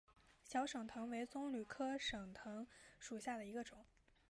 小省藤为棕榈科省藤属下的一个种。